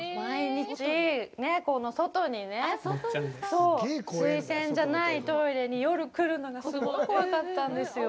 そう、水洗じゃないトイレに夜来るのがすごい怖かったんですよ。